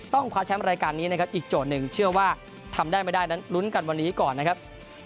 คว้าแชมป์รายการนี้นะครับอีกโจทย์หนึ่งเชื่อว่าทำได้ไม่ได้นั้นลุ้นกันวันนี้ก่อนนะครับ